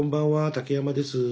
竹山です。